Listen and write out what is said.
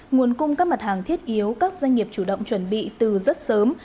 nguồn cung các mặt hàng thiết yếu các doanh nghiệp chủ động chuẩn bị từ rất sớm